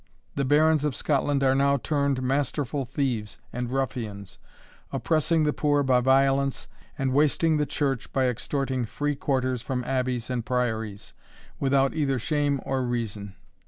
The barons of Scotland are now turned masterful thieves and ruffians, oppressing the poor by violence, and wasting the Church, by extorting free quarters from abbeys and priories, without either shame or reason.